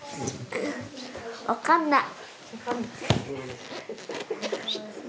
わかんない。